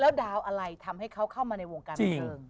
ดาวอะไรทำให้เขาเข้ามาในวงการบันเทิง